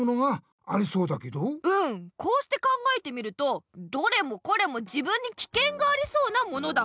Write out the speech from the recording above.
うんこうして考えてみるとどれもこれも自分にきけんがありそうなものだ。